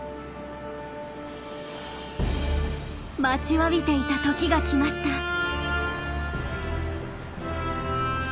待ちわびていた時が来ました。